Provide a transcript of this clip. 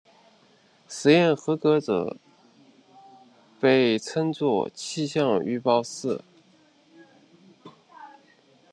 试验合格者被称作气象预报士。